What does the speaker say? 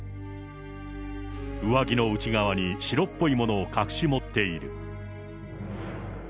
上着の内側に白っぽいものを隠し持っている。